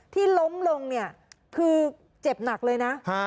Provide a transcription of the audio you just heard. ที่ล้มลงเนี่ยคือเจ็บหนักเลยนะ